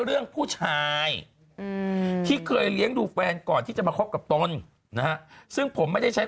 เรื่องผู้ชายที่เคยเลี้ยงดูแฟนก่อนที่จะมาคบกับตนนะฮะซึ่งผมไม่ได้ใช้